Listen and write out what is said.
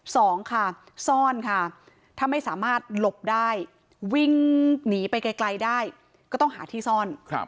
สองค่ะซ่อนค่ะถ้าไม่สามารถหลบได้วิ่งหนีไปไกลได้ก็ต้องหาที่ซ่อน